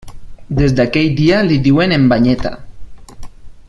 Des d'aquell dia li diuen En Banyeta.